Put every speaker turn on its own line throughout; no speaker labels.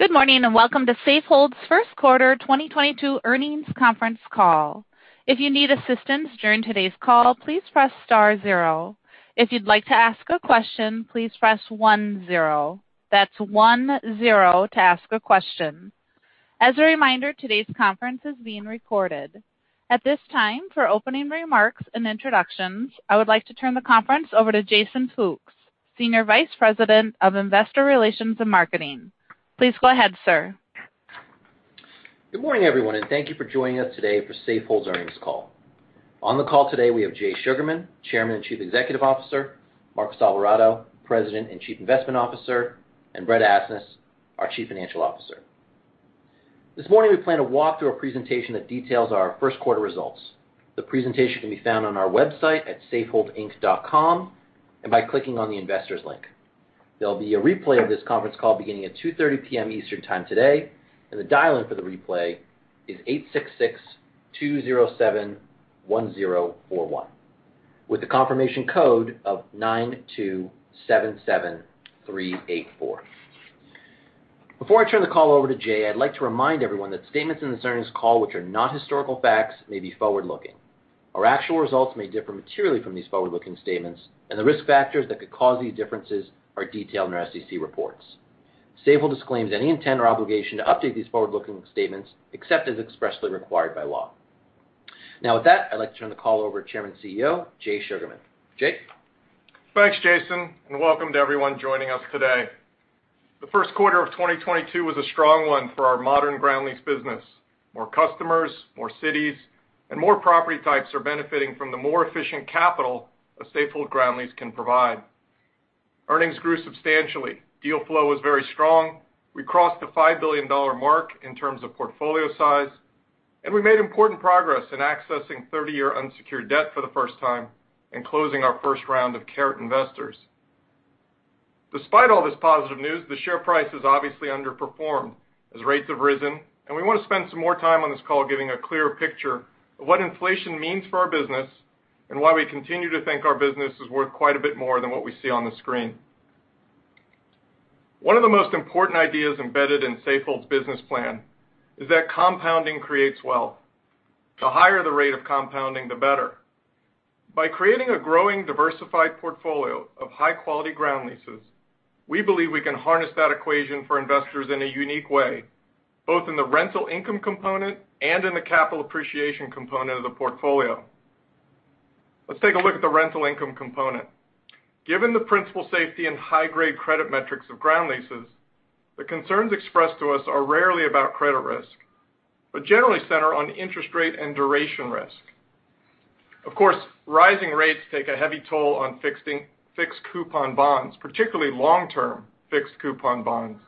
Good morning, and welcome to Safehold's first quarter 2022 earnings conference call. If you need assistance during today's call, please press star zero. If you'd like to ask a question, please press one zero. That's one zero to ask a question. As a reminder, today's conference is being recorded. At this time, for opening remarks and introductions, I would like to turn the conference over to Jason Fooks, Senior Vice President of Investor Relations and Marketing. Please go ahead, sir.
Good morning, everyone, and thank you for joining us today for Safehold's earnings call. On the call today we have Jay Sugarman, Chairman and Chief Executive Officer, Marcos Alvarado, President and Chief Investment Officer, and Brett Asnas, our Chief Financial Officer. This morning, we plan to walk through a presentation that details our first quarter results. The presentation can be found on our website at safeholdinc.com and by clicking on the Investors link. There'll be a replay of this conference call beginning at 2:30 P.M. Eastern Time today, and the dial-in for the replay is 866-207-1041, with a confirmation code of 9277384. Before I turn the call over to Jay, I'd like to remind everyone that statements in this earnings call which are not historical facts may be forward-looking. Our actual results may differ materially from these forward-looking statements, and the risk factors that could cause these differences are detailed in our SEC reports. Safehold disclaims any intent or obligation to update these forward-looking statements except as expressly required by law. Now with that, I'd like to turn the call over to Chairman and CEO, Jay Sugarman. Jay?
Thanks, Jason, and welcome to everyone joining us today. The first quarter of 2022 was a strong one for our modern ground lease business. More customers, more cities, and more property types are benefiting from the more efficient capital a Safehold ground lease can provide. Earnings grew substantially. Deal flow was very strong. We crossed the $5 billion mark in terms of portfolio size, and we made important progress in accessing 30-year unsecured debt for the first time and closing our first round of Caret investors. Despite all this positive news, the share price has obviously underperformed as rates have risen, and we wanna spend some more time on this call giving a clearer picture of what inflation means for our business and why we continue to think our business is worth quite a bit more than what we see on the screen. One of the most important ideas embedded in Safehold's business plan is that compounding creates wealth. The higher the rate of compounding, the better. By creating a growing, diversified portfolio of high-quality ground leases, we believe we can harness that equation for investors in a unique way, both in the rental income component and in the capital appreciation component of the portfolio. Let's take a look at the rental income component. Given the principal safety and high-grade credit metrics of ground leases, the concerns expressed to us are rarely about credit risk, but generally center on interest rate and duration risk. Of course, rising rates take a heavy toll on fixed coupon bonds, particularly long-term fixed coupon bonds.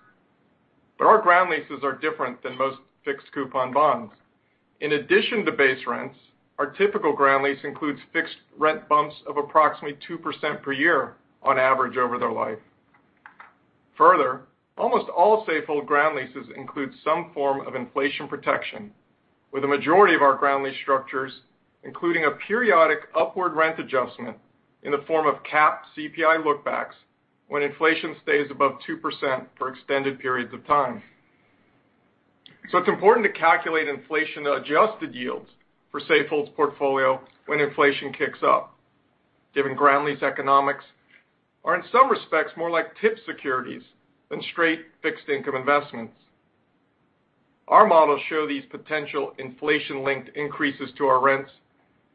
Our ground leases are different than most fixed coupon bonds. In addition to base rents, our typical ground lease includes fixed rent bumps of approximately 2% per year on average over their life. Further, almost all Safehold ground leases include some form of inflation protection, with a majority of our ground lease structures including a periodic upward rent adjustment in the form of capped CPI lookbacks when inflation stays above 2% for extended periods of time. It's important to calculate inflation-adjusted yields for Safehold's portfolio when inflation kicks up, given ground lease economics are in some respects more like TIPS securities than straight fixed income investments. Our models show these potential inflation-linked increases to our rents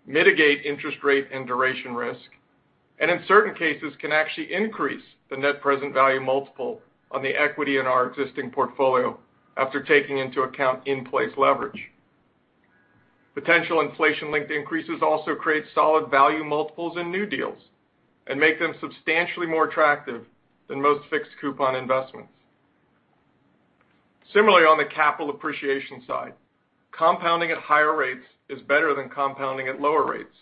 mitigate interest rate and duration risk, and in certain cases can actually increase the net present value multiple on the equity in our existing portfolio after taking into account in-place leverage. Potential inflation-linked increases also create solid value multiples in new deals and make them substantially more attractive than most fixed coupon investments. Similarly, on the capital appreciation side, compounding at higher rates is better than compounding at lower rates.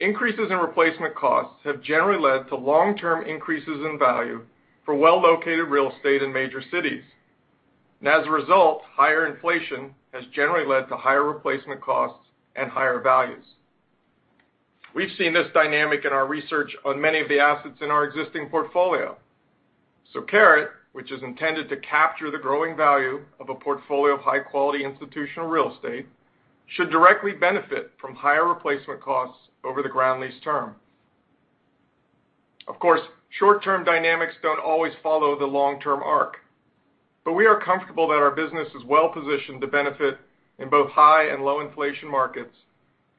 Increases in replacement costs have generally led to long-term increases in value for well-located real estate in major cities. As a result, higher inflation has generally led to higher replacement costs and higher values. We've seen this dynamic in our research on many of the assets in our existing portfolio. Caret, which is intended to capture the growing value of a portfolio of high-quality institutional real estate, should directly benefit from higher replacement costs over the ground lease term. Of course, short-term dynamics don't always follow the long-term arc, but we are comfortable that our business is well positioned to benefit in both high and low inflation markets,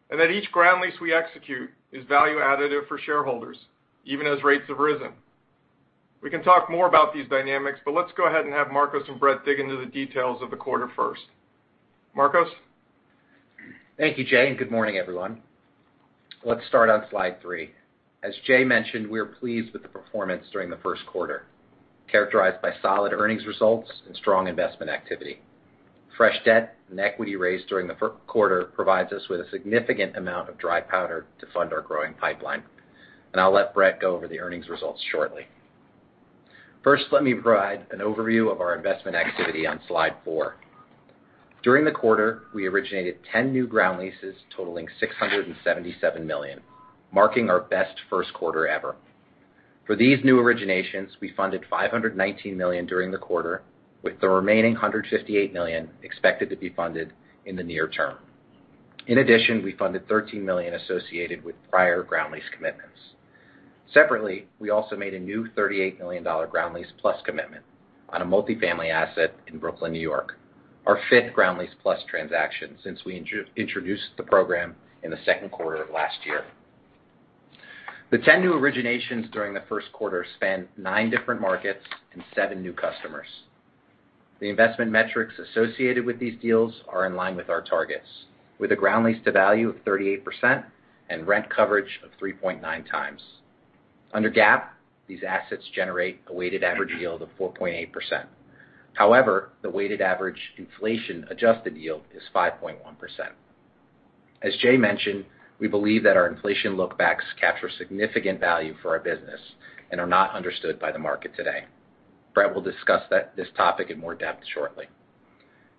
and that each ground lease we execute is value additive for shareholders, even as rates have risen. We can talk more about these dynamics, but let's go ahead and have Marcos and Brett dig into the details of the quarter first. Marcos?
Thank you, Jay, and good morning, everyone. Let's start on slide three. As Jay mentioned, we are pleased with the performance during the first quarter, characterized by solid earnings results and strong investment activity. Fresh debt and equity raised during the first quarter provides us with a significant amount of dry powder to fund our growing pipeline. I'll let Brett go over the earnings results shortly. First, let me provide an overview of our investment activity on slide four. During the quarter, we originated 10 new ground leases totaling $677 million, marking our best first quarter ever. For these new originations, we funded $519 million during the quarter, with the remaining $158 million expected to be funded in the near term. In addition, we funded $13 million associated with prior ground lease commitments. Separately, we also made a new $38 million Ground Lease Plus commitment on a multi-family asset in Brooklyn, New York, our fifth Ground Lease Plus transaction since we introduced the program in the second quarter of last year. The 10 new originations during the first quarter span nine different markets and seven new customers. The investment metrics associated with these deals are in line with our targets, with a ground lease to value of 38% and rent coverage of 3.9 times. Under GAAP, these assets generate a weighted average yield of 4.8%. However, the weighted average inflation-adjusted yield is 5.1%. As Jay mentioned, we believe that our inflation look-backs capture significant value for our business and are not understood by the market today. Brett will discuss this topic in more depth shortly.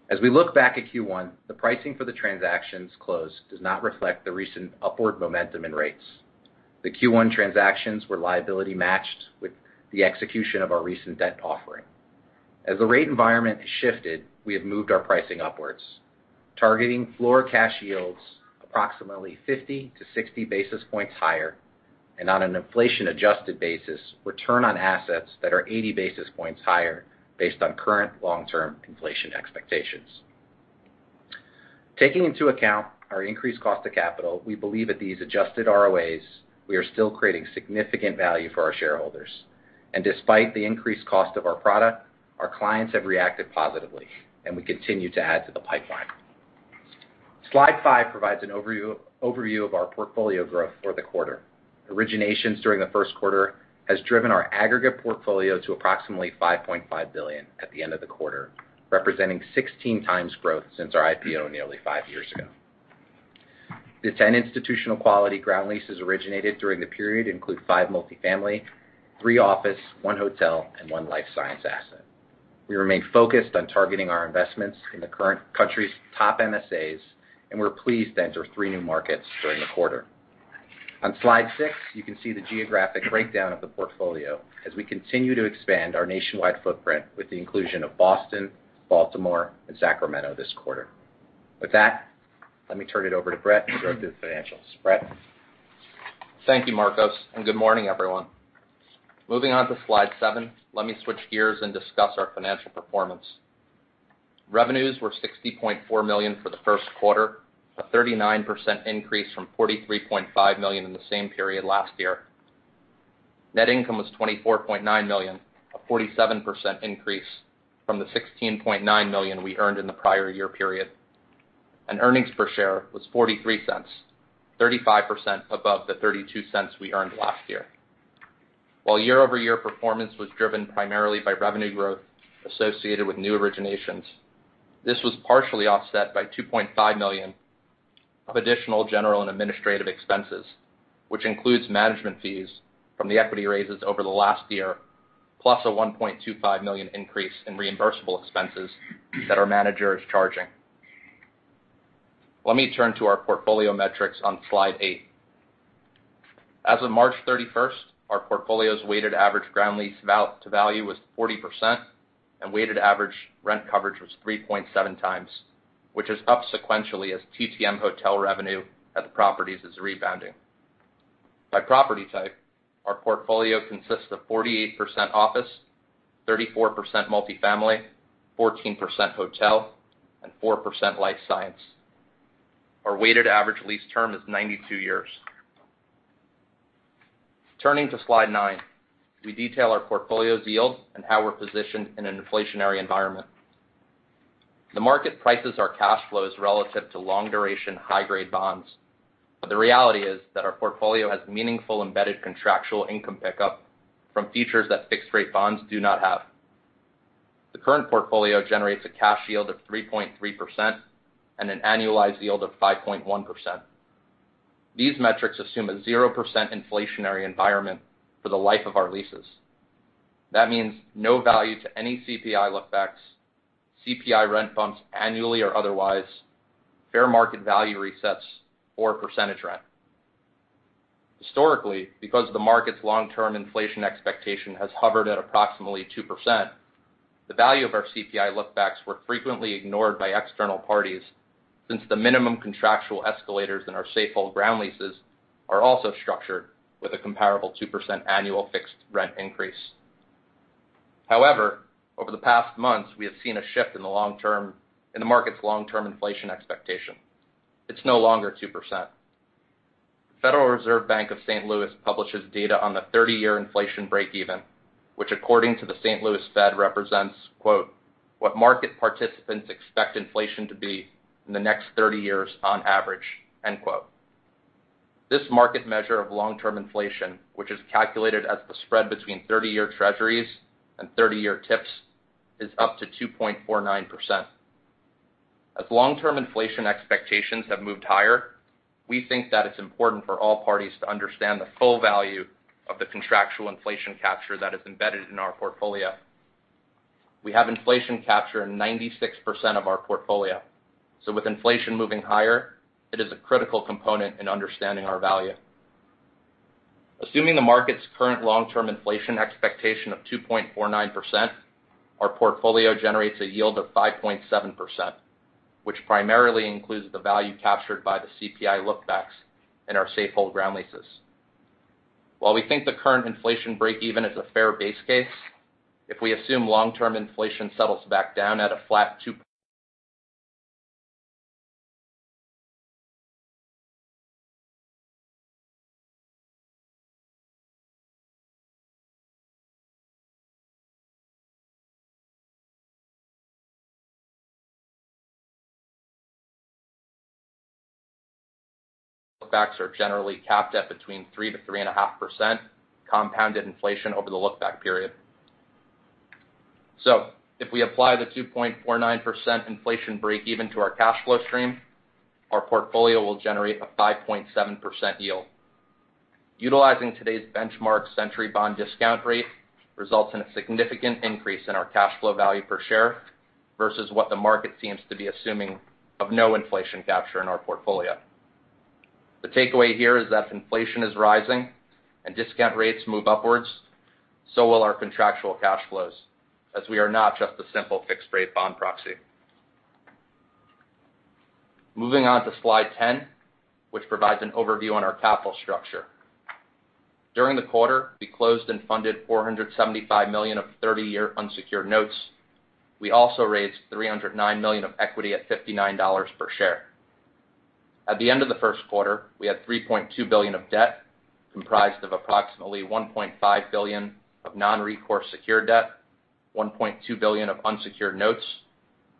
As we look back at Q1, the pricing for the transactions closed does not reflect the recent upward momentum in rates. The Q1 transactions were liability matched with the execution of our recent debt offering. As the rate environment has shifted, we have moved our pricing upwards, targeting floor cash yields approximately 50-60 basis points higher, and on an inflation-adjusted basis, return on assets that are 80 basis points higher based on current long-term inflation expectations. Taking into account our increased cost of capital, we believe at these adjusted ROAs, we are still creating significant value for our shareholders. Despite the increased cost of our product, our clients have reacted positively, and we continue to add to the pipeline. Slide five provides an overview of our portfolio growth for the quarter. Originations during the first quarter has driven our aggregate portfolio to approximately $5.5 billion at the end of the quarter, representing 16x growth since our IPO nearly five years ago. The 10 institutional quality ground leases originated during the period include five multifamily, three office, one hotel, and one life science asset. We remain focused on targeting our investments in the current country's top MSAs, and we're pleased to enter three new markets during the quarter. On slide six, you can see the geographic breakdown of the portfolio as we continue to expand our nationwide footprint with the inclusion of Boston, Baltimore, and Sacramento this quarter. With that, let me turn it over to Brett to go through the financials. Brett?
Thank you, Marcos, and good morning, everyone. Moving on to slide seven, let me switch gears and discuss our financial performance. Revenues were $60.4 million for the first quarter, a 39% increase from $43.5 million in the same period last year. Net income was $24.9 million, a 47% increase from the $16.9 million we earned in the prior year period. Earnings per share was $0.43, 35 above the $0.32 we earned last year. While year-over-year performance was driven primarily by revenue growth associated with new originations, this was partially offset by $2.5 million of additional general and administrative expenses, which includes management fees from the equity raises over the last year, plus a $1.25 million increase in reimbursable expenses that our manager is charging. Let me turn to our portfolio metrics on slide eight. As of March 31st, our portfolio's weighted average ground lease value-to-value was 40%, and weighted average rent coverage was 3.7 times, which is up sequentially as TTM hotel revenue at the properties is rebounding. By property type, our portfolio consists of 48% office, 34% multifamily, 14% hotel, and 4% life science. Our weighted average lease term is 92 years. Turning to slide nine, we detail our portfolio's yield and how we're positioned in an inflationary environment. The market prices our cash flows relative to long-duration, high-grade bonds. The reality is that our portfolio has meaningful embedded contractual income pickup from features that fixed-rate bonds do not have. The current portfolio generates a cash yield of 3.3% and an annualized yield of 5.1%. These metrics assume a 0% inflationary environment for the life of our leases. That means no value to any CPI lookbacks, CPI rent bumps annually or otherwise, fair market value resets or percentage rent. Historically, because the market's long-term inflation expectation has hovered at approximately 2%, the value of our CPI lookbacks were frequently ignored by external parties since the minimum contractual escalators in our Safehold ground leases are also structured with a comparable 2% annual fixed rent increase. However, over the past months, we have seen a shift in the market's long-term inflation expectation. It's no longer 2%. The Federal Reserve Bank of St. Louis publishes data on the 30-year inflation breakeven, which according to the St. Louis Fed, represents, quote, "what market participants expect inflation to be in the next 30 years on average." End quote. This market measure of long-term inflation, which is calculated as the spread between 30-year Treasuries and 30-year TIPS, is up to 2.49%. Long-term inflation expectations have moved higher. We think that it's important for all parties to understand the full value of the contractual inflation capture that is embedded in our portfolio. We have inflation capture in 96% of our portfolio, so with inflation moving higher, it is a critical component in understanding our value. Assuming the market's current long-term inflation expectation of 2.49%, our portfolio generates a yield of 5.7%, which primarily includes the value captured by the CPI look-backs in our Safehold ground leases. While we think the current inflation break-even is a fair base case, if we assume long-term inflation settles back down at a flat 2%, look-backs are generally capped at between 3%-3.5% compounded inflation over the look-back period. If we apply the 2.49% inflation break-even to our cash flow stream, our portfolio will generate a 5.7% yield. Utilizing today's benchmark century bond discount rate results in a significant increase in our cash flow value per share versus what the market seems to be assuming of no inflation capture in our portfolio. The takeaway here is that if inflation is rising and discount rates move upwards, so will our contractual cash flows, as we are not just a simple fixed rate bond proxy. Moving on to slide 10, which provides an overview on our capital structure. During the quarter, we closed and funded $475 million of thirty-year unsecured notes. We also raised $309 million of equity at $59 per share. At the end of the first quarter, we had $3.2 billion of debt, comprised of approximately $1.5 billion of non-recourse secured debt, $1.2 billion of unsecured notes,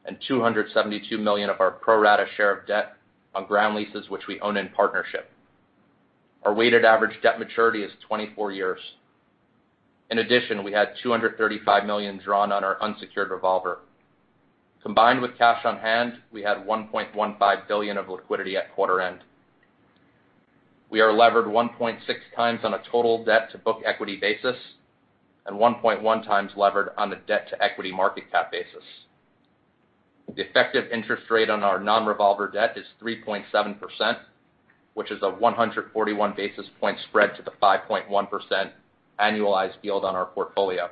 and $272 million of our pro rata share of debt on ground leases which we own in partnership. Our weighted average debt maturity is 24 years. In addition, we had $235 million drawn on our unsecured revolver. Combined with cash on hand, we had $1.15 billion of liquidity at quarter end. We are levered 1.6 times on a total debt-to-book equity basis and 1.1 times levered on a debt-to-equity market cap basis. The effective interest rate on our non-revolver debt is 3.7%, which is a 141 basis points spread to the 5.1% annualized yield on our portfolio.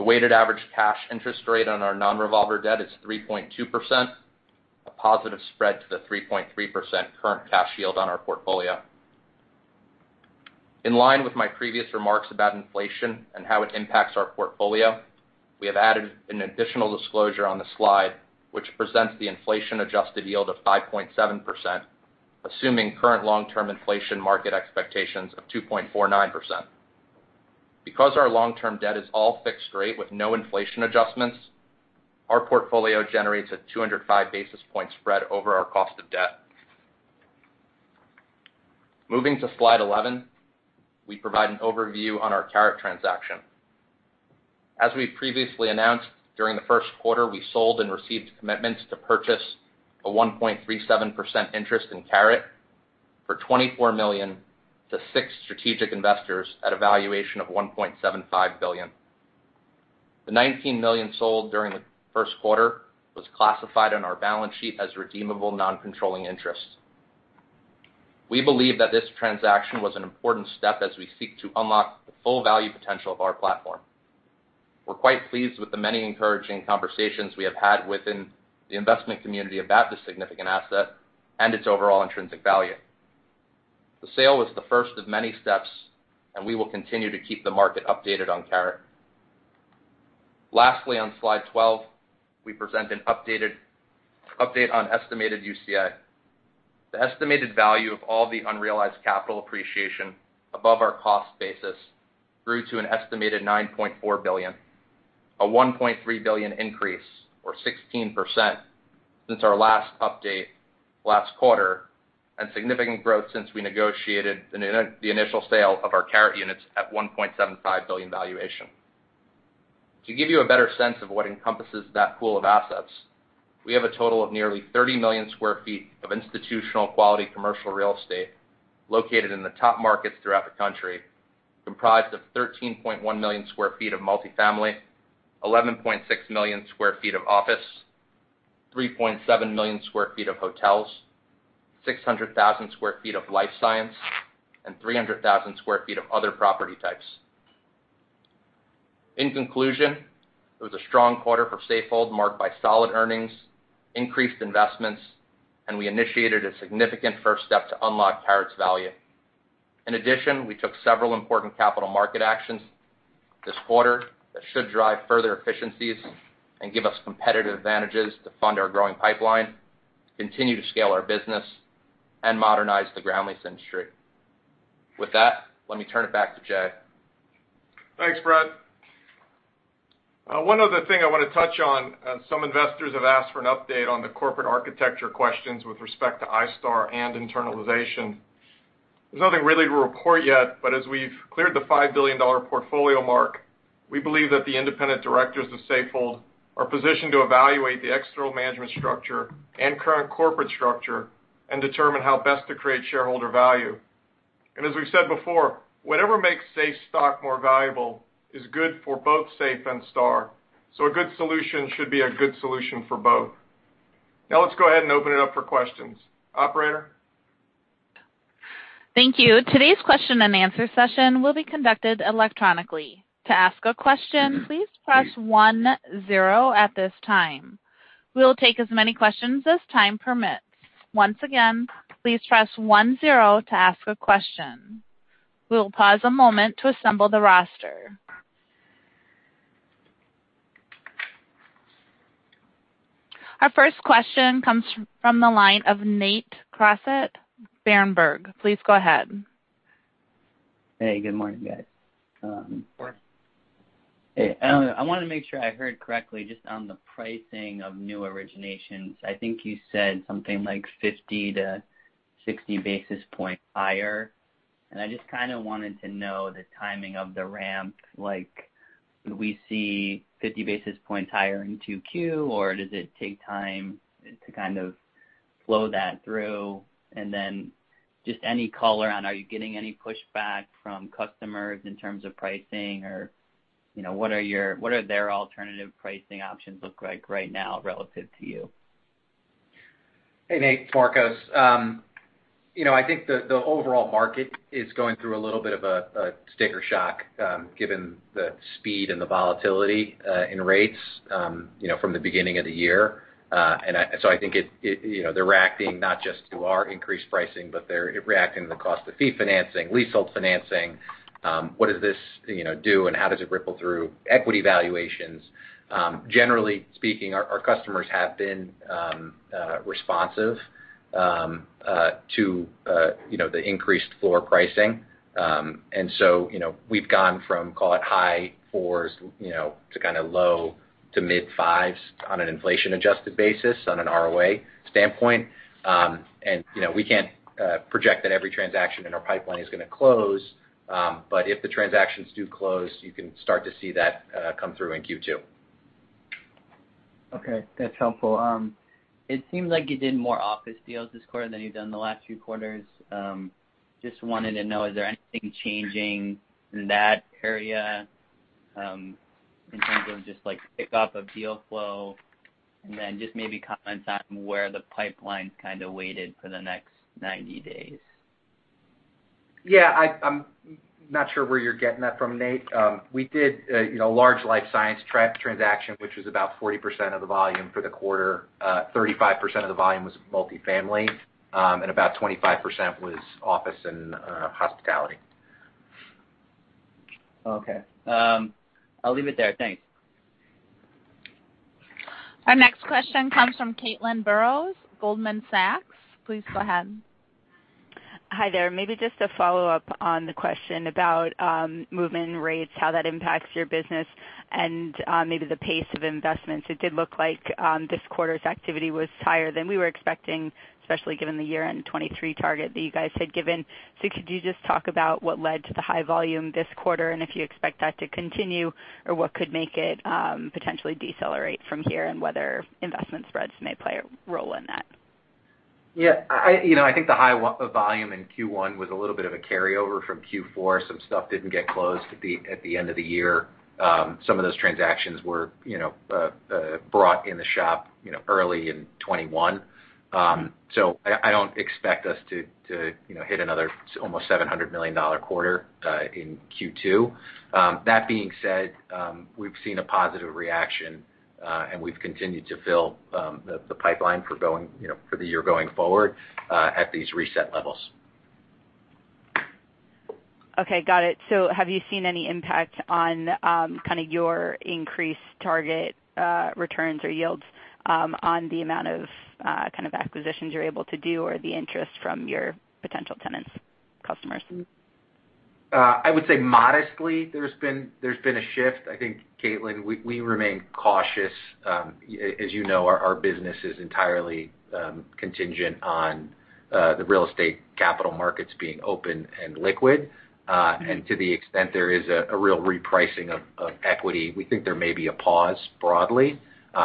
The weighted average cash interest rate on our non-revolver debt is 3.2%, a positive spread to the 3.3% current cash yield on our portfolio. In line with my previous remarks about inflation and how it impacts our portfolio, we have added an additional disclosure on the slide, which presents the inflation-adjusted yield of 5.7%, assuming current long-term inflation market expectations of 2.49%. Because our long-term debt is all fixed rate with no inflation adjustments, our portfolio generates a 205 basis points spread over our cost of debt. Moving to slide 11, we provide an overview on our Caret transaction. As we previously announced, during the first quarter, we sold and received commitments to purchase a 1.37% interest in Caret for $24 million to six strategic investors at a valuation of $1.75 billion. The $19 million sold during the first quarter was classified on our balance sheet as redeemable non-controlling interest. We believe that this transaction was an important step as we seek to unlock the full value potential of our platform. We're quite pleased with the many encouraging conversations we have had within the investment community about this significant asset and its overall intrinsic value. The sale was the first of many steps, and we will continue to keep the market updated on Caret. Lastly, on slide 12, we present an update on estimated UCA. The estimated value of all the unrealized capital appreciation above our cost basis grew to an estimated $9.4 billion, a $1.3 billion increase, or 16%, since our last update last quarter, and significant growth since we negotiated the initial sale of our Caret units at $1.75 billion valuation. To give you a better sense of what encompasses that pool of assets, we have a total of nearly 30 million sq ft of institutional quality commercial real estate located in the top markets throughout the country, comprised of 13.1 million sq ft of multifamily, 11.6 million sq ft of office, 3.7 million sq ft of hotels, 600,000 sq ft of life science, and 300,000 sq ft of other property types. In conclusion, it was a strong quarter for Safehold, marked by solid earnings, increased investments, and we initiated a significant first step to unlock Caret's value. In addition, we took several important capital market actions this quarter that should drive further efficiencies and give us competitive advantages to fund our growing pipeline, continue to scale our business, and modernize the ground lease industry. With that, let me turn it back to Jay.
Thanks, Brett. One other thing I want to touch on. Some investors have asked for an update on the corporate architecture questions with respect to iStar and internalization. There's nothing really to report yet, but as we've cleared the $5 billion portfolio mark, we believe that the independent directors of Safehold are positioned to evaluate the external management structure and current corporate structure and determine how best to create shareholder value. As we've said before, whatever makes Safe's stock more valuable is good for both Safe and Star. A good solution should be a good solution for both. Now let's go ahead and open it up for questions. Operator?
Thank you. Today's question-and-answer session will be conducted electronically. To ask a question, please press one zero at this time. We will take as many questions as time permits. Once again, please press one zero to ask a question. We will pause a moment to assemble the roster. Our first question comes from the line of Nate Crossett, Berenberg. Please go ahead.
Hey, good morning, guys.
Good morning.
Hey, I want to make sure I heard correctly just on the pricing of new originations. I think you said something like 50-60 basis points higher. I just kind of wanted to know the timing of the ramp. Like, do we see 50 basis points higher in 2Q, or does it take time to kind of flow that through? Just any color on, are you getting any pushback from customers in terms of pricing or, you know, what are their alternative pricing options look like right now relative to you?
Hey, Nate, it's Marcos. You know, I think the overall market is going through a little bit of a sticker shock, given the speed and the volatility in rates, you know, from the beginning of the year. I think it, you know, they're reacting not just to our increased pricing, but they're reacting to the cost of fee financing, leasehold financing, what does this, you know, do, and how does it ripple through equity valuations. Generally speaking, our customers have been responsive to, you know, the increased floor pricing. You know, we've gone from, call it, high fours, you know, to kind of low- to mid-fives on an inflation-adjusted basis on an ROA standpoint. You know, we can't project that every transaction in our pipeline is gonna close, but if the transactions do close, you can start to see that come through in Q2.
Okay, that's helpful. It seems like you did more office deals this quarter than you've done the last few quarters. Just wanted to know, is there anything changing in that area, in terms of just like pick up of deal flow? Just maybe comment on where the pipeline's kind of weighted for the next 90 days.
Yeah, I'm not sure where you're getting that from, Nate. We did, you know, large life science transaction, which was about 40% of the volume for the quarter. 35% of the volume was multifamily, and about 25% was office and hospitality.
Okay. I'll leave it there. Thanks.
Our next question comes from Caitlin Burrows, Goldman Sachs. Please go ahead.
Hi there. Maybe just a follow-up on the question about movement rates, how that impacts your business and maybe the pace of investments. It did look like this quarter's activity was higher than we were expecting, especially given the year-end 2023 target that you guys had given. Could you just talk about what led to the high volume this quarter, and if you expect that to continue, or what could make it potentially decelerate from here and whether investment spreads may play a role in that?
Yeah. You know, I think the high volume in Q1 was a little bit of a carryover from Q4. Some stuff didn't get closed at the end of the year. Some of those transactions were, you know, brought in the shop, you know, early in 2021. I don't expect us to, you know, hit another almost $700 million quarter in Q2. That being said, we've seen a positive reaction and we've continued to fill the pipeline for going, you know, for the year going forward at these reset levels.
Okay. Got it. Have you seen any impact on, kind of your increased target, returns or yields, on the amount of, kind of acquisitions you're able to do or the interest from your potential tenants, customers?
I would say modestly, there's been a shift. I think, Caitlin, we remain cautious, as you know, our business is entirely contingent on the real estate capital markets being open and liquid. To the extent there is a real repricing of equity, we think there may be a pause broadly.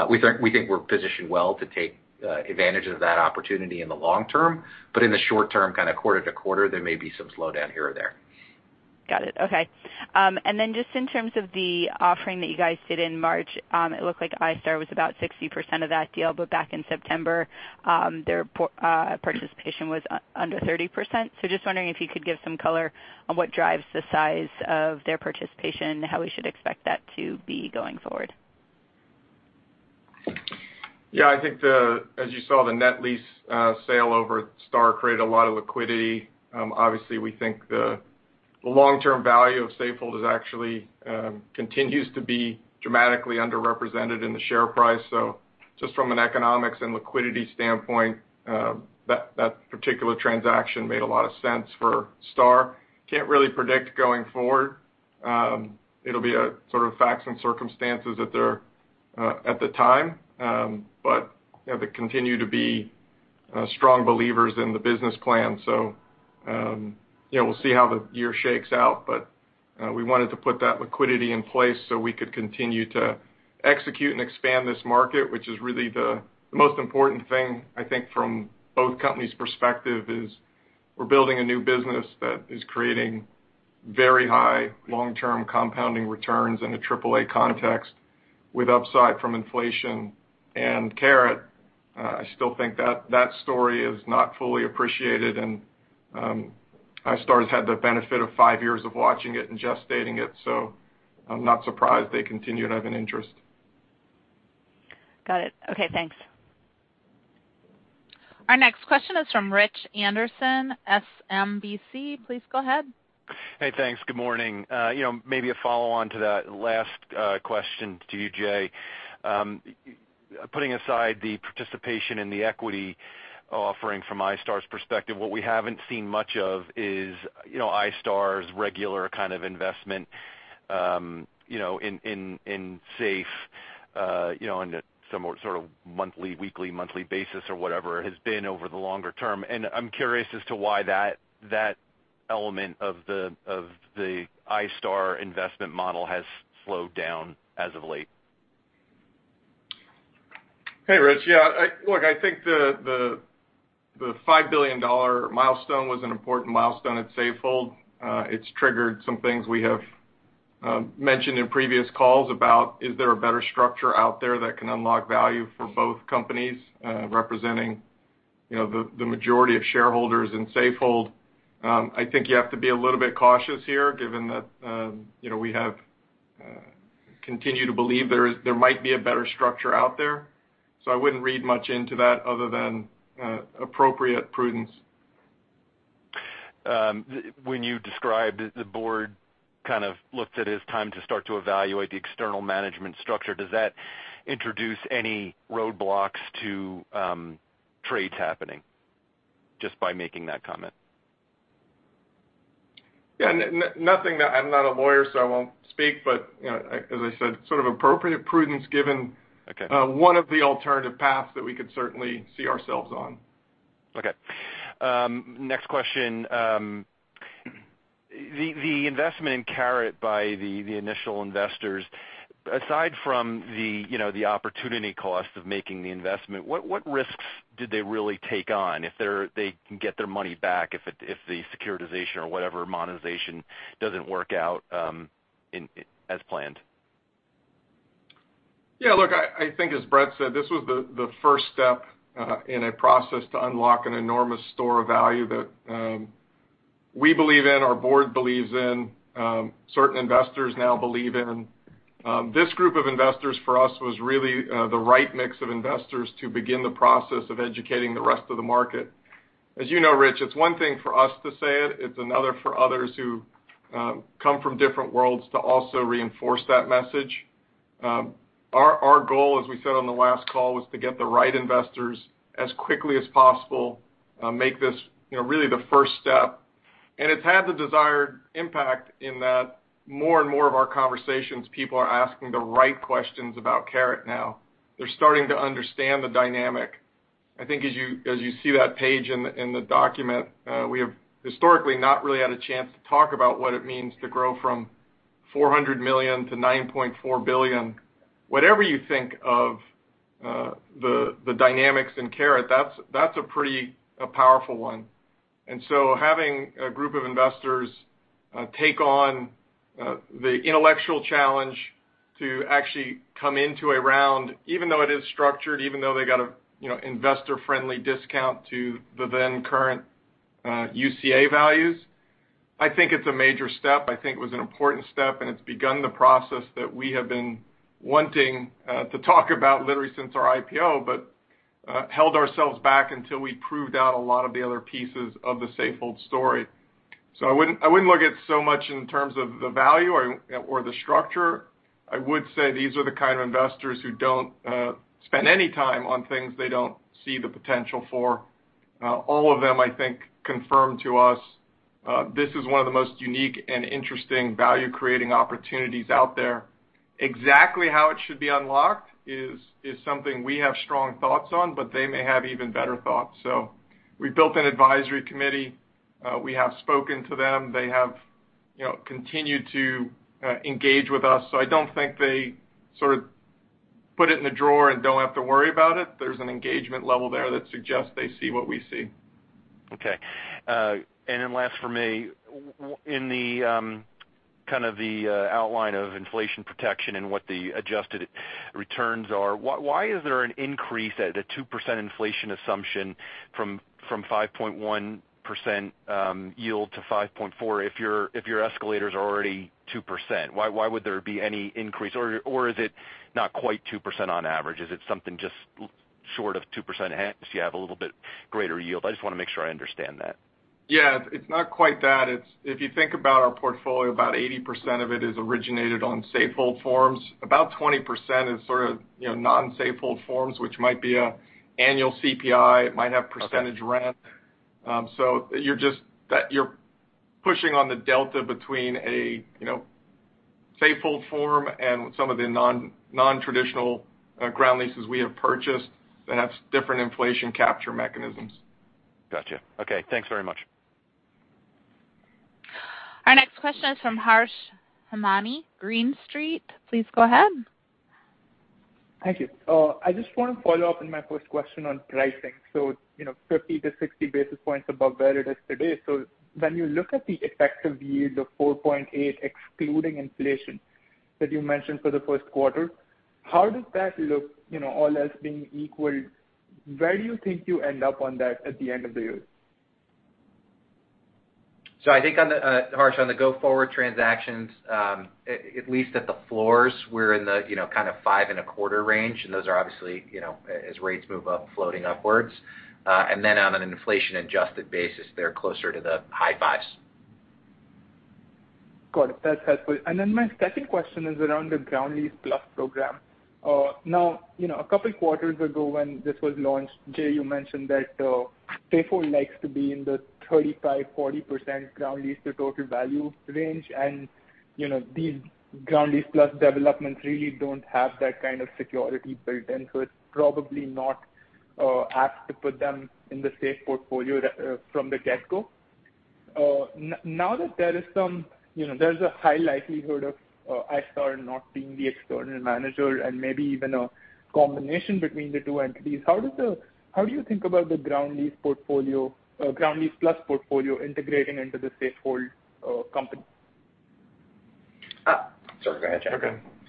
We think we're positioned well to take advantage of that opportunity in the long term, but in the short term, kind of quarter to quarter, there may be some slowdown here or there.
Got it. Okay. Then just in terms of the offering that you guys did in March, it looked like iStar was about 60% of that deal, but back in September, their participation was under 30%. Just wondering if you could give some color on what drives the size of their participation and how we should expect that to be going forward.
Yeah. I think as you saw, the net lease sale to iStar created a lot of liquidity. Obviously, we think the long-term value of Safehold actually continues to be dramatically underrepresented in the share price. Just from an economic and liquidity standpoint, that particular transaction made a lot of sense for iStar. Can't really predict going forward. It'll be sort of facts and circumstances at the time. But they continue to be strong believers in the business plan. you know, we'll see how the year shakes out, but we wanted to put that liquidity in place so we could continue to execute and expand this market, which is really the most important thing, I think, from both companies' perspective, is we're building a new business that is creating very high long-term compounding returns in a AAA context with upside from inflation and Caret. I still think that story is not fully appreciated, and iStar's had the benefit of five years of watching it and gestating it, so I'm not surprised they continue to have an interest.
Got it. Okay, thanks.
Our next question is from Rich Anderson, SMBC, please go ahead.
Hey, thanks. Good morning. You know, maybe a follow-on to that last question to you, Jay. Putting aside the participation in the equity offering from iStar's perspective, what we haven't seen much of is, you know, iStar's regular kind of investment, you know, in SAFE, you know, on a somewhat sort of monthly or weekly basis or whatever it has been over the longer term. I'm curious as to why that element of the iStar investment model has slowed down as of late.
Hey, Rich. Yeah, look, I think the $5 billion milestone was an important milestone at Safehold. It's triggered some things we have mentioned in previous calls about is there a better structure out there that can unlock value for both companies, representing, you know, the majority of shareholders in Safehold. I think you have to be a little bit cautious here given that, you know, we continue to believe there might be a better structure out there. I wouldn't read much into that other than appropriate prudence.
When you described the board kind of looked at as time to start to evaluate the external management structure, does that introduce any roadblocks to trades happening just by making that comment?
Yeah. Nothing that I'm not a lawyer, so I won't speak, but you know, as I said, sort of appropriate prudence given.
Okay.
One of the alternative paths that we could certainly see ourselves on.
Okay. Next question. The investment in Caret by the initial investors, aside from the, you know, the opportunity cost of making the investment, what risks did they really take on if they can get their money back if the securitization or whatever monetization doesn't work out, in as planned?
Yeah, look, I think as Brett said, this was the first step in a process to unlock an enormous store of value that we believe in, our board believes in, certain investors now believe in. This group of investors for us was really the right mix of investors to begin the process of educating the rest of the market. As you know, Rich, it's one thing for us to say it's another for others who come from different worlds to also reinforce that message. Our goal, as we said on the last call, was to get the right investors as quickly as possible, make this, you know, really the first step. It's had the desired impact in that more and more of our conversations, people are asking the right questions about Caret now. They're starting to understand the dynamic. I think as you see that page in the document, we have historically not really had a chance to talk about what it means to grow from $400 million to $9.4 billion. Whatever you think of the dynamics in Caret, that's a pretty powerful one. Having a group of investors take on the intellectual challenge to actually come into a round, even though it is structured, even though they got a, you know, investor-friendly discount to the then current UCA values, I think it's a major step. I think it was an important step, and it's begun the process that we have been wanting to talk about literally since our IPO, but held ourselves back until we proved out a lot of the other pieces of the Safehold story. I wouldn't look at so much in terms of the value or the structure. I would say these are the kind of investors who don't spend any time on things they don't see the potential for. All of them, I think, confirm to us this is one of the most unique and interesting value-creating opportunities out there. Exactly how it should be unlocked is something we have strong thoughts on, but they may have even better thoughts. We built an advisory committee. We have spoken to them. They have, you know, continued to engage with us. I don't think they sort of put it in a drawer and don't have to worry about it. There's an engagement level there that suggests they see what we see.
Okay. And then last for me, in the kind of the outline of inflation protection and what the adjusted returns are, why is there an increase at a 2% inflation assumption from 5.1% yield to 5.4% if your escalators are already 2%? Why would there be any increase? Or is it not quite 2% on average? Is it something just short of 2%, hence you have a little bit greater yield? I just wanna make sure I understand that.
Yeah. It's not quite that. It's if you think about our portfolio, about 80% of it is originated on Safehold forms. About 20% is sort of, you know, non-Safehold forms, which might be an annual CPI. It might have percentage rent. So you're just pushing on the delta between a, you know, Safehold form and some of the non-traditional ground leases we have purchased that have different inflation capture mechanisms.
Gotcha. Okay, thanks very much.
Our next question is from Harsh Hemnani, Green Street. Please go ahead.
Thank you. I just want to follow up on my first question on pricing. You know, 50-60 basis points above where it is today. When you look at the effective yield of 4.8, excluding inflation that you mentioned for the first quarter, how does that look, you know, all else being equal, where do you think you end up on that at the end of the year?
I think on the Harsh, on the go forward transactions, at least at the floors, we're in the, you know, kind of 5.25% range, and those are obviously, you know, as rates move up, floating upwards. On an inflation-adjusted basis, they're closer to the high fives.
Got it. That's helpful. Then my second question is around the Ground Lease Plus program. Now, you know, a couple of quarters ago when this was launched, Jay, you mentioned that Safehold likes to be in the 35%-40% ground lease to total value range. You know, these Ground Lease Plus developments really don't have that kind of security built in, so it's probably not asked to put them in the Safehold portfolio from the get-go. Now that there is some, you know, there's a high likelihood of iStar not being the external manager and maybe even a combination between the two entities, how do you think about the ground lease portfolio, Ground Lease Plus portfolio integrating into the Safehold company?
Uh-
Sorry, go ahead, Jay.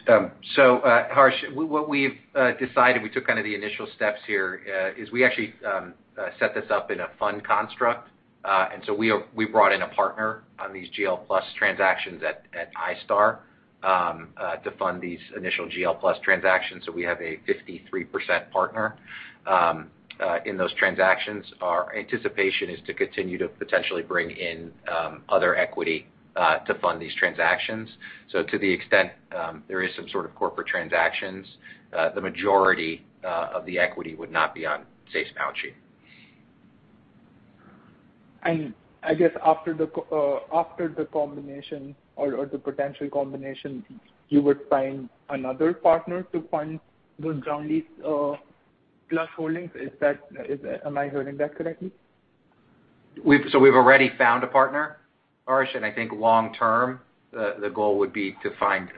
Okay, Harsh, what we've decided, we took kind of the initial steps here, is we actually set this up in a fund construct. We brought in a partner on these GL Plus transactions at iStar to fund these initial GL Plus transactions. We have a 53% partner in those transactions. Our anticipation is to continue to potentially bring in other equity to fund these transactions. To the extent there is some sort of corporate transactions, the majority of the equity would not be on SAFE's balance sheet.
I guess after the combination or the potential combination, you would find another partner to fund those Ground Lease Plus holdings. Am I hearing that correctly?
We've already found a partner, Harsh, and I think long term, the goal would be to find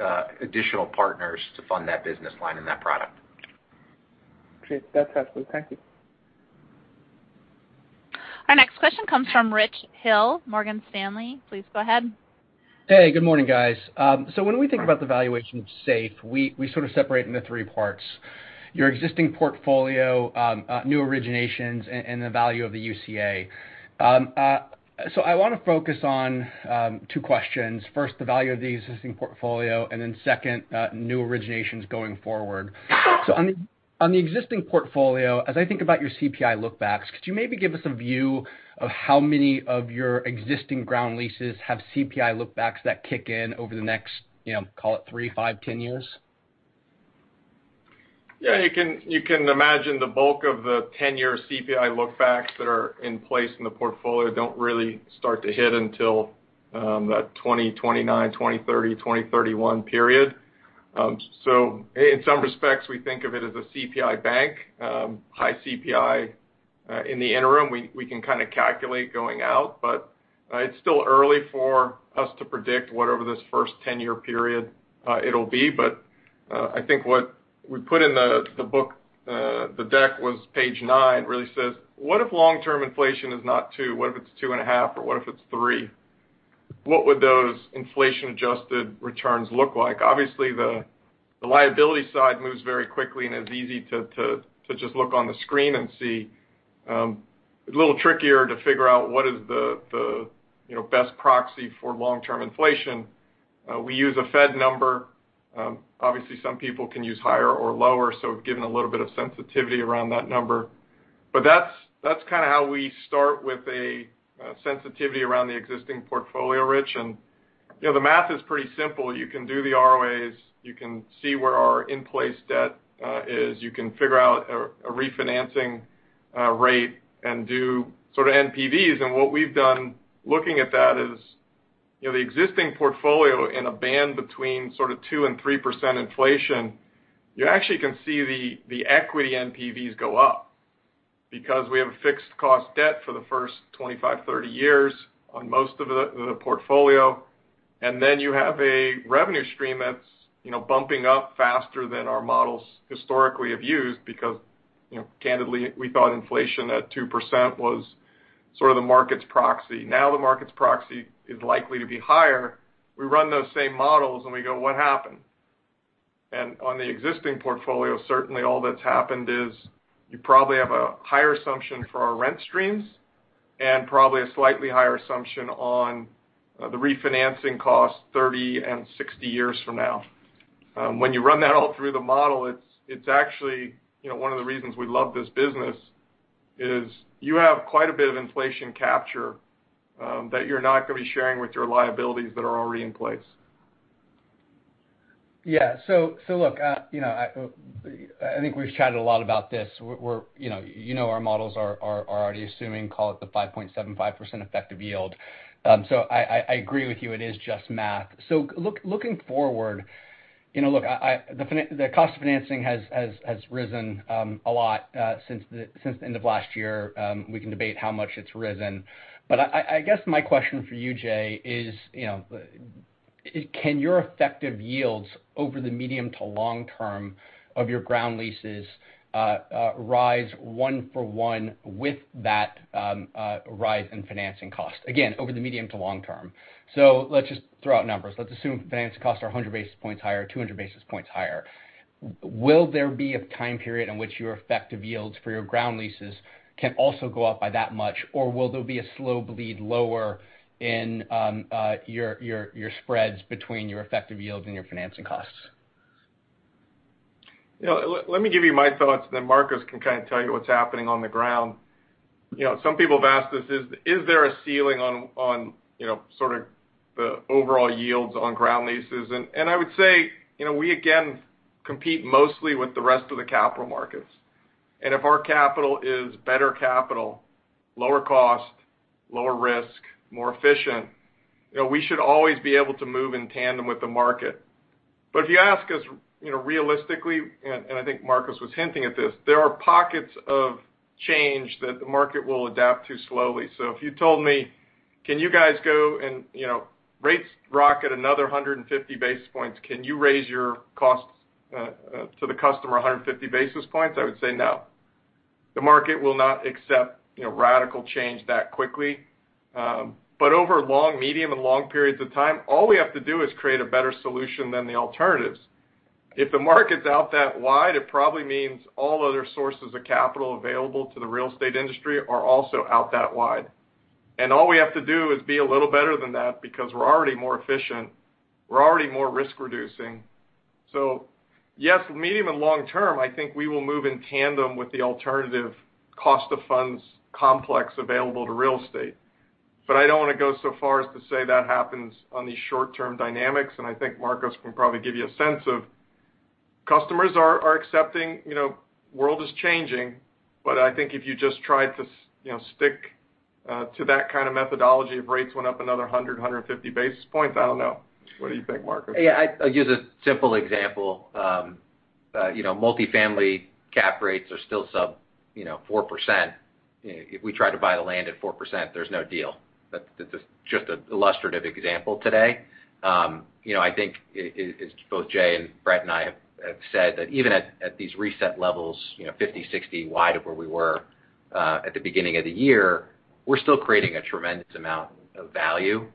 additional partners to fund that business line and that product.
Great. That's helpful. Thank you.
Our next question comes from Rich Hill, Morgan Stanley. Please go ahead.
Hey, good morning, guys. When we think about the valuation of SAFE, we sort of separate into three parts, your existing portfolio, new originations and the value of the UCA. I wanna focus on two questions. First, the value of the existing portfolio, and then second, new originations going forward. On the existing portfolio, as I think about your CPI look-backs, could you maybe give us a view of how many of your existing ground leases have CPI look-backs that kick in over the next, you know, call it three, five, 10 years?
Yeah. You can imagine the bulk of the 10-year CPI look-backs that are in place in the portfolio don't really start to hit until that 2029, 2030, 2031 period. In some respects, we think of it as a CPI bank, high CPI. In the interim, we can kinda calculate going out, but it's still early for us to predict whatever this first 10-year period, it'll be. I think what we put in the book, the deck was page nine, really says, what if long-term inflation is not two? What if it's 2.5 or what if it's three? What would those inflation-adjusted returns look like? Obviously, the liability side moves very quickly, and it's easy to just look on the screen and see. It's a little trickier to figure out what is the you know, best proxy for long-term inflation. We use a Fed number. Obviously, some people can use higher or lower, so given a little bit of sensitivity around that number. That's kinda how we start with a sensitivity around the existing portfolio, Rich. You know, the math is pretty simple. You can do the ROAs, you can see where our in-place debt is, you can figure out a refinancing rate and do sort of NPVs. What we've done looking at that is, you know, the existing portfolio in a band between sort of 2%-3% inflation, you actually can see the equity NPVs go up because we have a fixed cost debt for the first 25-30 years on most of the portfolio. Then you have a revenue stream that's, you know, bumping up faster than our models historically have used because, you know, candidly, we thought inflation at 2% was sort of the market's proxy. Now the market's proxy is likely to be higher. We run those same models and we go, what happened? On the existing portfolio, certainly all that's happened is you probably have a higher assumption for our rent streams and probably a slightly higher assumption on the refinancing cost 30 and 60 years from now. When you run that all through the model, it's actually, you know, one of the reasons we love this business is you have quite a bit of inflation capture that you're not gonna be sharing with your liabilities that are already in place.
Yeah. Look, you know, I think we've chatted a lot about this. We're you know. You know our models are already assuming, call it the 5.75% effective yield. I agree with you. It is just math. Look, looking forward, you know, look, I. The cost of financing has risen a lot since the end of last year. We can debate how much it's risen. I guess my question for you, Jay, is, you know, can your effective yields over the medium to long term of your ground leases rise one for one with that rise in financing costs? Again, over the medium to long term. Let's just throw out numbers. Let's assume finance costs are 100 basis points higher, 200 basis points higher. Will there be a time period in which your effective yields for your ground leases can also go up by that much, or will there be a slow bleed lower in your spreads between your effective yields and your financing costs?
You know, let me give you my thoughts, then Marcos can kind of tell you what's happening on the ground. You know, some people have asked us this, is there a ceiling on, you know, sort of the overall yields on ground leases? I would say, you know, we again compete mostly with the rest of the capital markets. If our capital is better capital, lower cost, lower risk, more efficient, you know, we should always be able to move in tandem with the market. If you ask us, you know, realistically, and I think Marcos was hinting at this, there are pockets of change that the market will adapt to slowly. If you told me, "Can you guys go and rates rocket another 150 basis points, can you raise your costs to the customer 150 basis points?" I would say no. The market will not accept, you know, radical change that quickly. Over long, medium, and long periods of time, all we have to do is create a better solution than the alternatives. If the market's out that wide, it probably means all other sources of capital available to the real estate industry are also out that wide. All we have to do is be a little better than that because we're already more efficient, we're already more risk reducing. Yes, medium and long term, I think we will move in tandem with the alternative cost of funds complex available to real estate. I don't wanna go so far as to say that happens on these short-term dynamics, and I think Marcos can probably give you a sense of customers are accepting, you know, world is changing. I think if you just try to, you know, stick to that kind of methodology of rates went up another 100-150 basis points, I don't know. What do you think, Marcos?
Yeah. I'll use a simple example. You know, multifamily cap rates are still sub 4%. If we try to buy the land at 4%, there's no deal. That's just an illustrative example today. You know, I think as both Jay and Brett and I have said that even at these reset levels, you know, 50, 60 wide of where we were at the beginning of the year, we're still creating a tremendous amount of value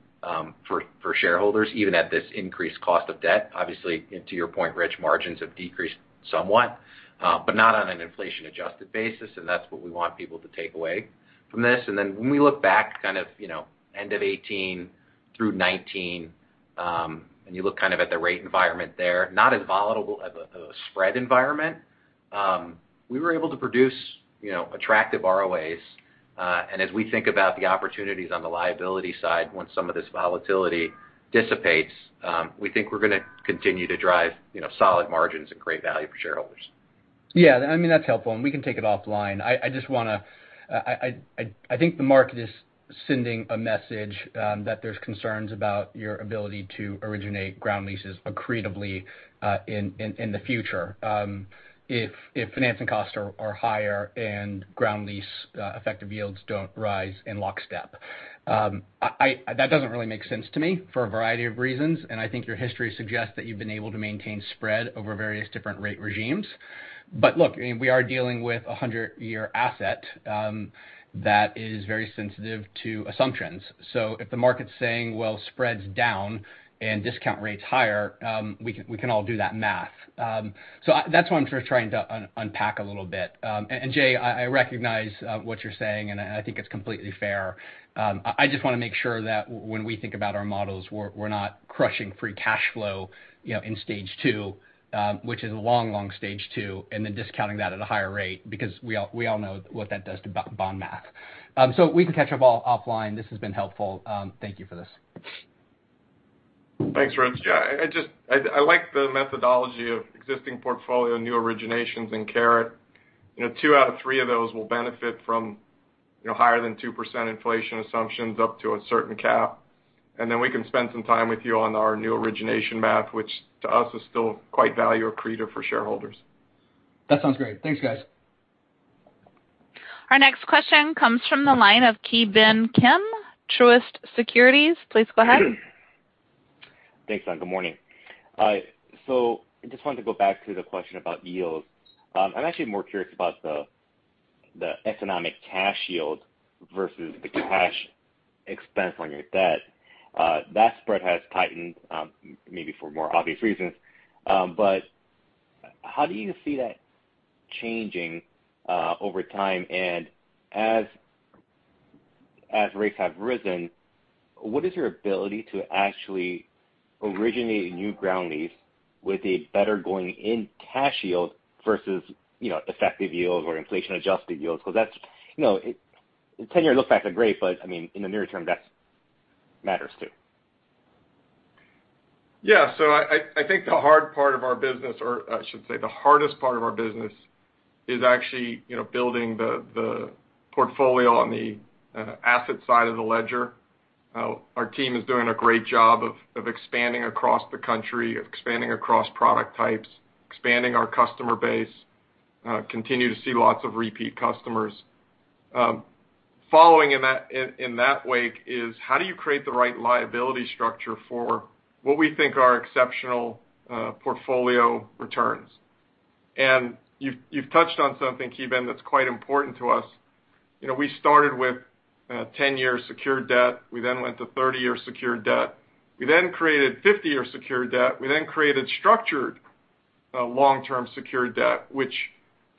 for shareholders, even at this increased cost of debt. Obviously, and to your point, Rich, margins have decreased somewhat, but not on an inflation-adjusted basis, and that's what we want people to take away from this. When we look back kind of, you know, end of 2018 through 2019, and you look kind of at the rate environment there, not as volatile as a spread environment, we were able to produce, you know, attractive ROAs. As we think about the opportunities on the liability side, once some of this volatility dissipates, we think we're gonna continue to drive, you know, solid margins and create value for shareholders.
Yeah. I mean, that's helpful, and we can take it offline. I just want to. I think the market is sending a message that there's concerns about your ability to originate ground leases accretively in the future if financing costs are higher and ground lease effective yields don't rise in lockstep. That doesn't really make sense to me for a variety of reasons, and I think your history suggests that you've been able to maintain spread over various different rate regimes. Look, I mean, we are dealing with a 100-year asset that is very sensitive to assumptions. If the market's saying, well, spread's down and discount rate's higher, we can all do that math. That's what I'm sort of trying to unpack a little bit. Jay, I recognize what you're saying, and I think it's completely fair. I just wanna make sure that when we think about our models, we're not crushing free cash flow, you know, in stage two, which is a long, long stage two, and then discounting that at a higher rate because we all know what that does to bond math. We can catch up all offline. This has been helpful. Thank you for this.
Thanks, Rich. Yeah, I just I like the methodology of existing portfolio, new originations in Caret. You know, two out of three of those will benefit from, you know, higher than 2% inflation assumptions up to a certain cap. Then we can spend some time with you on our new origination math, which to us is still quite value accretive for shareholders.
That sounds great. Thanks, guys.
Our next question comes from the line of Ki Bin Kim, Truist Securities. Please go ahead.
Thanks. Good morning. So I just wanted to go back to the question about yields. I'm actually more curious about the economic cash yield versus the cash expense on your debt. That spread has tightened, maybe for more obvious reasons. But how do you see that changing over time? And as rates have risen, what is your ability to actually originate new ground lease with a better going in cash yield versus, you know, effective yield or inflation-adjusted yields? Because that's, you know, 10-year lookbacks are great, but I mean, in the near term, that matters too.
Yeah. I think the hard part of our business, or I should say the hardest part of our business, is actually, you know, building the portfolio on the asset side of the ledger. Our team is doing a great job of expanding across the country, expanding across product types, expanding our customer base, continue to see lots of repeat customers. Following in that wake is how do you create the right liability structure for what we think are exceptional portfolio returns? You've touched on something, Ki Bin Kim, that's quite important to us. You know, we started with 10-year secured debt. We then went to 30-year secured debt. We then created 50-year secured debt. We then created structured long-term secured debt, which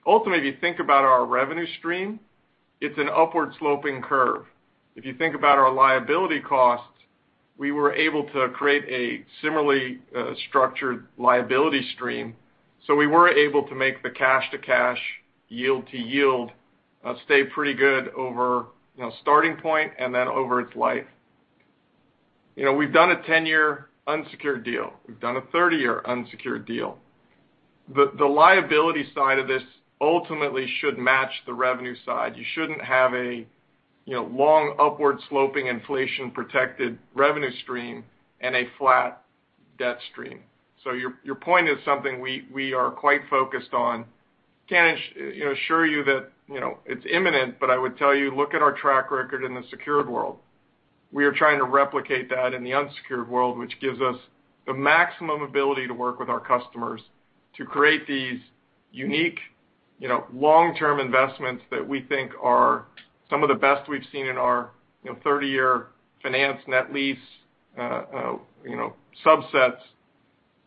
ultimately, if you think about our revenue stream, it's an upward sloping curve. If you think about our liability costs, we were able to create a similarly structured liability stream, so we were able to make the cash-to-cash yield-to-yield stay pretty good over, you know, starting point and then over its life. You know, we've done a 10-year unsecured deal. We've done a 30-year unsecured deal. The liability side of this ultimately should match the revenue side. You shouldn't have a, you know, long upward sloping inflation protected revenue stream and a flat debt stream. So your point is something we are quite focused on. Can't assure you that, you know, it's imminent, but I would tell you, look at our track record in the secured world. We are trying to replicate that in the unsecured world, which gives us the maximum ability to work with our customers to create these unique, you know, long-term investments that we think are some of the best we've seen in our, you know, 30-year finance net lease, you know, subsets.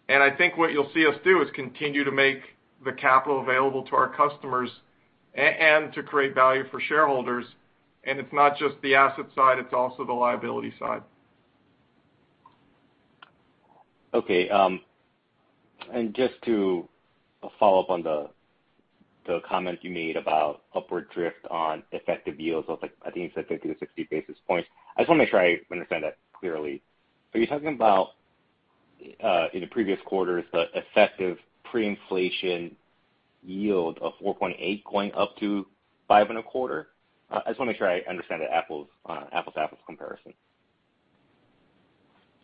I think what you'll see us do is continue to make the capital available to our customers and to create value for shareholders. It's not just the asset side, it's also the liability side.
Okay. Just to follow up on the comment you made about upward drift on effective yields of like 50-60 basis points. I just want to make sure I understand that clearly. Are you talking about in the previous quarters the effective pre-inflation yield of 4.8 going up to 5.25? I just want to make sure I understand the apples to apples comparison.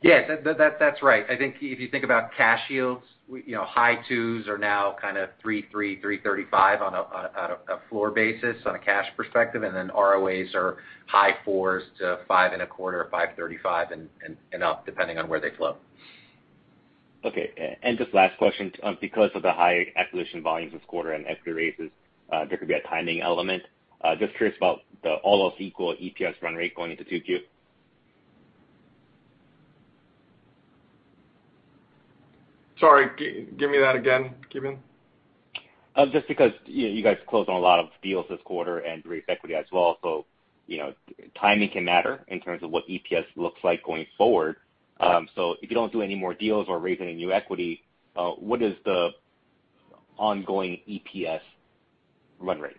Yes, that's right. I think if you think about cash yields, you know, high twos are now kind of 3.3, 3.35 on a floor basis on a cash perspective. ROAs are high fours to 5.25, 5.35 and up depending on where they flow.
Just last question. Because of the high acquisition volumes this quarter and equity raises, there could be a timing element. Just curious about the all else equal EPS run rate going into 2Q.
Sorry, give me that again, Ki Bin.
Just because you guys closed on a lot of deals this quarter and raised equity as well. You know, timing can matter in terms of what EPS looks like going forward. If you don't do any more deals or raising any new equity, what is the ongoing EPS run rate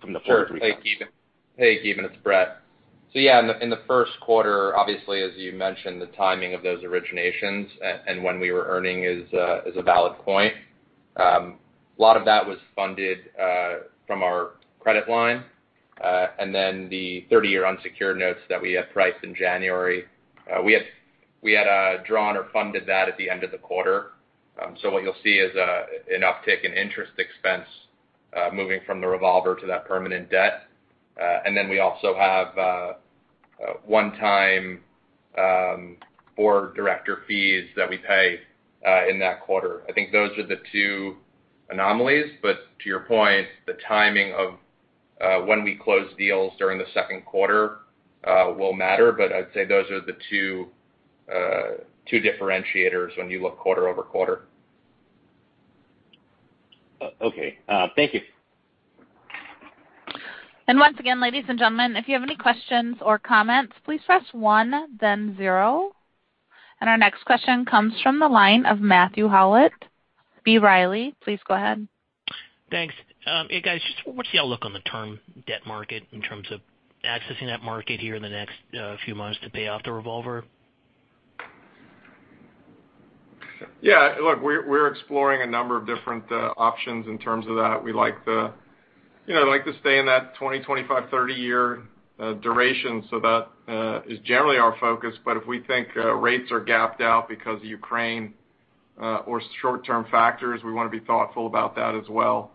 from the first three quarters?
Sure. Hey, Ki Bin, it's Brett. Yeah, in the first quarter, obviously, as you mentioned, the timing of those originations and when we were earning is a valid point. A lot of that was funded from our credit line. The 30-year unsecured notes that we had priced in January, we had drawn or funded that at the end of the quarter. What you'll see is an uptick in interest expense moving from the revolver to that permanent debt. We also have one-time four director fees that we pay in that quarter. I think those are the two anomalies. To your point, the timing of when we close deals during the second quarter will matter. I'd say those are the two differentiators when you look quarter-over-quarter.
Okay. Thank you.
Once again, ladies and gentlemen, if you have any questions or comments, please press one then zero. Our next question comes from the line of Matthew Howlett, B. Riley. Please go ahead.
Thanks. Hey guys, just what's your look on the term debt market in terms of accessing that market here in the next few months to pay off the revolver?
Yeah, look, we're exploring a number of different options in terms of that. We like the, you know, like to stay in that 20, 25, 30-year duration. That is generally our focus. If we think rates are gapped out because of Ukraine or short-term factors, we wanna be thoughtful about that as well.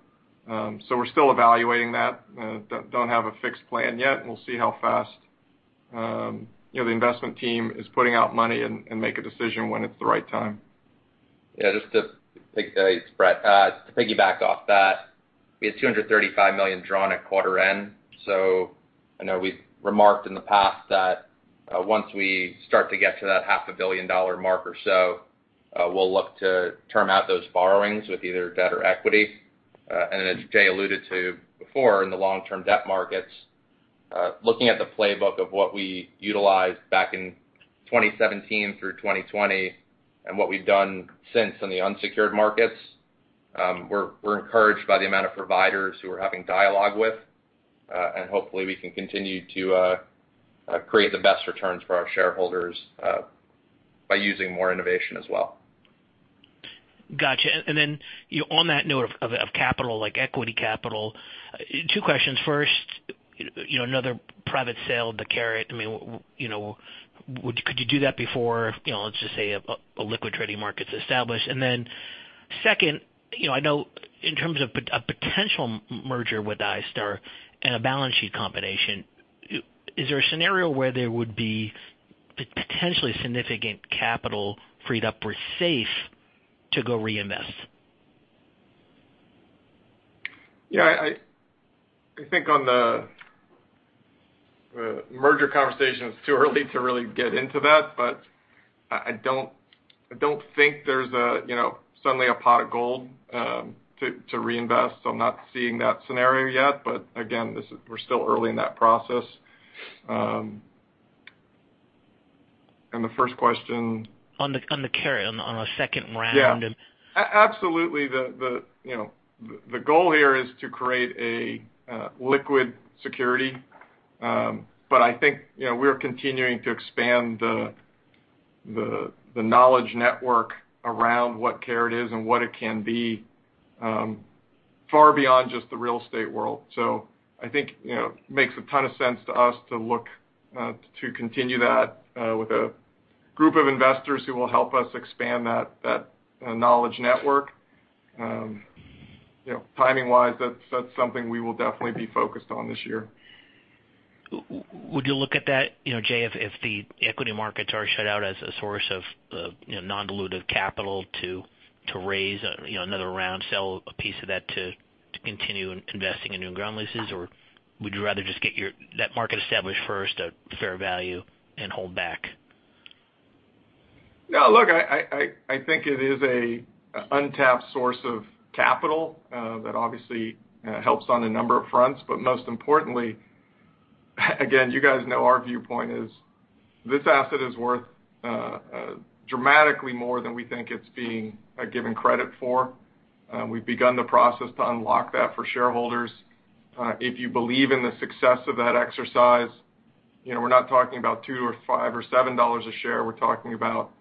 We're still evaluating that. We don't have a fixed plan yet. We'll see how fast, you know, the investment team is putting out money and make a decision when it's the right time.
Hey, it's Brett. To piggyback off that, we had $235 million drawn at quarter end. I know we've remarked in the past that once we start to get to that $500 million dollar mark or so, we'll look to term out those borrowings with either debt or equity. As Jay alluded to before in the long-term debt markets, looking at the playbook of what we utilized back in 2017 through 2020 and what we've done since in the unsecured markets. We're encouraged by the amount of providers who we're having dialogue with. Hopefully we can continue to create the best returns for our shareholders by using more innovation as well.
Gotcha. On that note of capital, like equity capital, two questions. First, you know, another private sale, the Caret, I mean, you know, could you do that before, you know, let's just say a liquid trading market's established? Second, you know, I know in terms of a potential merger with iStar and a balance sheet combination, is there a scenario where there would be potentially significant capital freed up or safe to go reinvest?
Yeah, I think on the merger conversation, it's too early to really get into that, but I don't think there's a, you know, suddenly a pot of gold to reinvest. I'm not seeing that scenario yet. Again, we're still early in that process. The first question?
On the Caret on a second round and
Yeah. Absolutely. The you know, the goal here is to create a liquid security. But I think, you know, we're continuing to expand the knowledge network around what Caret is and what it can be, far beyond just the real estate world. I think, you know, makes a ton of sense to us to continue that with a group of investors who will help us expand that knowledge network. You know, timing wise, that's something we will definitely be focused on this year.
Would you look at that, you know, Jay, if the equity markets are shut out as a source of, you know, non-dilutive capital to raise, you know, another round, sell a piece of that to continue investing in new ground leases? Or would you rather just get that market established first at fair value and hold back?
No, look, I think it is an untapped source of capital that obviously helps on a number of fronts. Most importantly, again, you guys know our viewpoint is this asset is worth dramatically more than we think it's being given credit for. We've begun the process to unlock that for shareholders. If you believe in the success of that exercise, you know, we're not talking about $2 or $5 or $7 a share. We're talking about,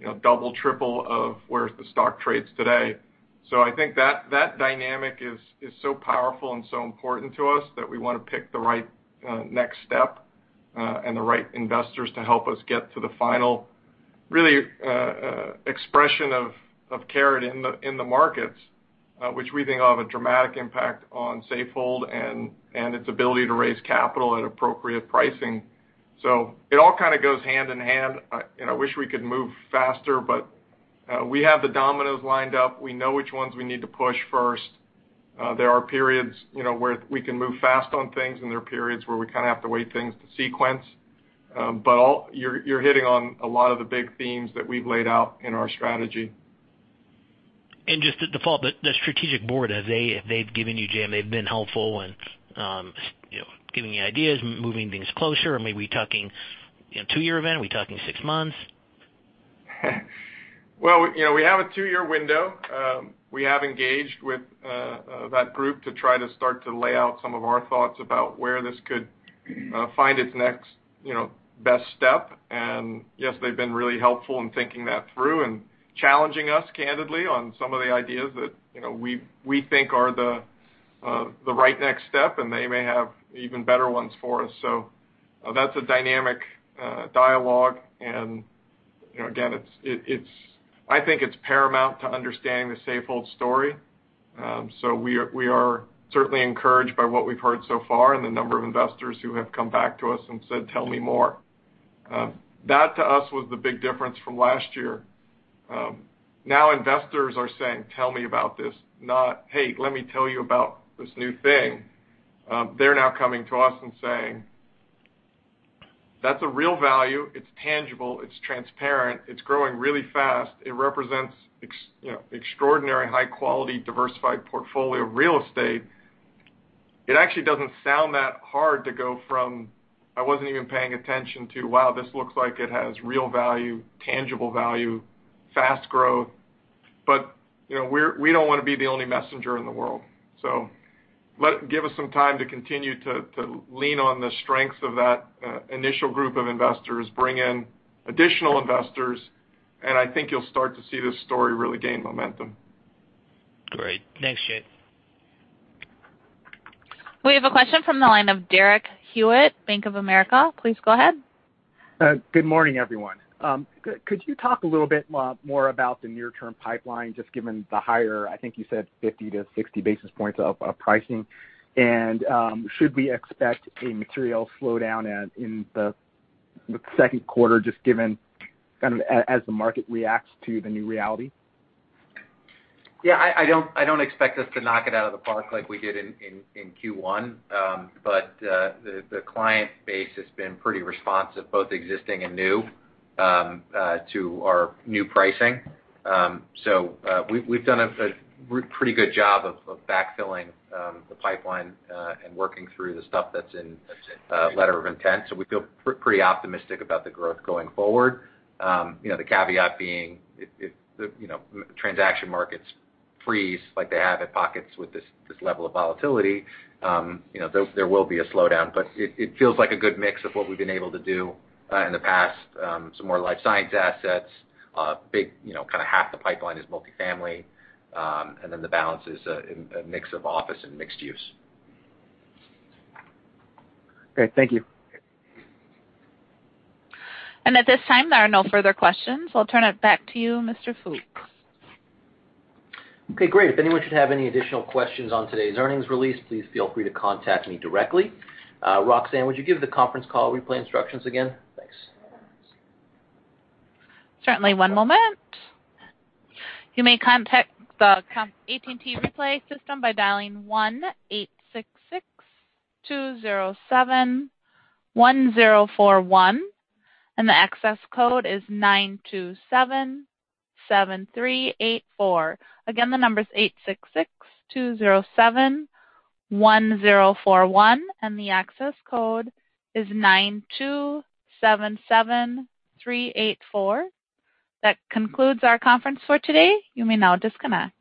you know, double, triple of where the stock trades today. I think that dynamic is so powerful and so important to us that we want to pick the right next step and the right investors to help us get to the final really expression of Caret in the markets, which we think will have a dramatic impact on Safehold and its ability to raise capital at appropriate pricing. It all kind of goes hand in hand, and I wish we could move faster, but we have the dominoes lined up. We know which ones we need to push first. There are periods, you know, where we can move fast on things, and there are periods where we kind of have to wait things to sequence. You're hitting on a lot of the big themes that we've laid out in our strategy.
Just to follow up, the strategic board, have they given you, Jay, and they've been helpful in, you know, giving you ideas, moving things closer? I mean, are we talking a two-year event? Are we talking six months?
Well, you know, we have a two-year window. We have engaged with that group to try to start to lay out some of our thoughts about where this could find its next, you know, best step. Yes, they've been really helpful in thinking that through and challenging us candidly on some of the ideas that, you know, we think are the right next step, and they may have even better ones for us. That's a dynamic dialogue. You know, again, I think it's paramount to understanding the Safehold story. We are certainly encouraged by what we've heard so far and the number of investors who have come back to us and said, "Tell me more." That to us was the big difference from last year. Now investors are saying, "Tell me about this," not, "Hey, let me tell you about this new thing." They're now coming to us and saying, "That's a real value. It's tangible, it's transparent, it's growing really fast. It represents you know, extraordinary high quality, diversified portfolio of real estate." It actually doesn't sound that hard to go from I wasn't even paying attention, to, wow, this looks like it has real value, tangible value, fast growth. You know, we don't want to be the only messenger in the world. Give us some time to continue to lean on the strengths of that initial group of investors, bring in additional investors, and I think you'll start to see this story really gain momentum.
Great. Thanks, Jay.
We have a question from the line of Derek Hewett, Bank of America. Please go ahead.
Good morning, everyone. Could you talk a little bit more about the near-term pipeline, just given the higher, I think you said 50-60 basis points of pricing? Should we expect a material slowdown in the second quarter, just given kind of as the market reacts to the new reality?
Yeah. I don't expect us to knock it out of the park like we did in Q1. The client base has been pretty responsive, both existing and new, to our new pricing. We've done a pretty good job of backfilling the pipeline and working through the stuff that's in letter of intent. We feel pretty optimistic about the growth going forward. You know, the caveat being if you know, transaction markets freeze like they have in pockets with this level of volatility, you know, there will be a slowdown. It feels like a good mix of what we've been able to do in the past.
Some more life science assets, big, you know, kind of half the pipeline is multifamily, and then the balance is a mix of office and mixed use.
Great. Thank you.
At this time, there are no further questions. I'll turn it back to you, Mr. Fooks.
Okay, great. If anyone should have any additional questions on today's earnings release, please feel free to contact me directly. Roxanne, would you give the conference call replay instructions again? Thanks.
Certainly. One moment. You may contact the AT&T replay system by dialing 1-866-207-1041, and the access code is 9277384. Again, the number is 866-207-1041, and the access code is 9277384. That concludes our conference for today. You may now disconnect.